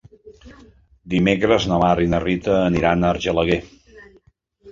Dimecres na Mar i na Rita aniran a Argelaguer.